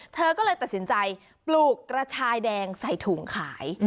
เธอก็เลยตัดสินใจปลูกกระชายแดงใส่ถุงขาย